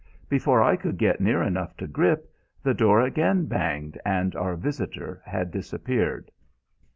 Before I could get near enough to grip, the door again banged and our visitor had disappeared.